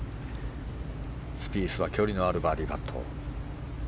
スピースは距離のあるバーディーパット。